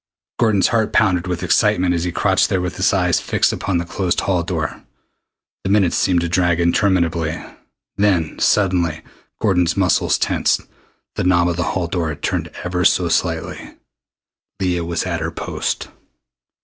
Gordon's heart pounded with excitement as he crouched there with his eyes fixed upon the closed hall door. The minutes seemed to drag interminably. Then suddenly Gordon's muscles tensed. The knob of the hall door had turned ever so slightly. Leah was at her post!